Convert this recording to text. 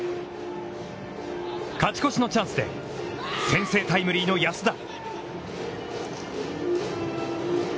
勝ち越しのチャンスで先制タイムリーの安田。